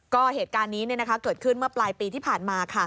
ก็เหตุการณ์นี้เกิดขึ้นเมื่อปลายปีที่ผ่านมาค่ะ